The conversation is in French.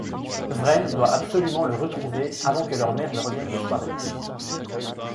Wren doit absolument le retrouver avant que leur mère ne revienne de soirée.